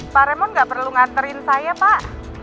pak raymond gak perlu nganterin saya pak